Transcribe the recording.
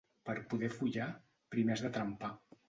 Per poder follar, primer has de trempar.